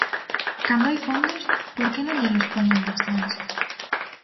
Cando hai fondos, ¿por que non llelos poñen nas mans?